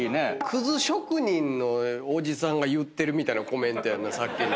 葛職人のおじさんが言ってるみたいなコメントやんなさっきの。